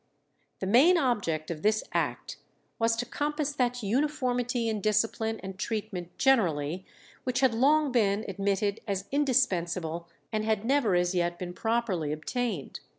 The main object of this act was to compass that uniformity in discipline and treatment generally which had long been admitted as indispensable, and had never as yet been properly obtained.